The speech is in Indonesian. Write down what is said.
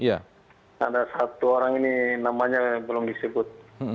ada satu orang ini namanya belum disebut